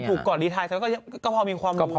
ก่อนรีไทยก็พอมีความรู้พอ